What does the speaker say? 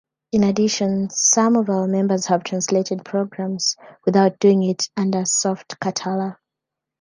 In addition, some of our members have translated programs without doing it under Softcatala.